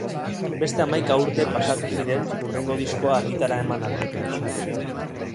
Beste hamaika urte pasatu ziren hurrengo diskoa argitara eman arte.